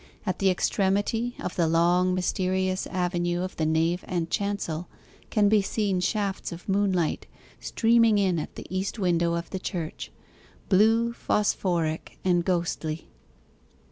At the extremity of the long mysterious avenue of the nave and chancel can be seen shafts of moonlight streaming in at the east window of the church blue, phosphoric, and ghostly.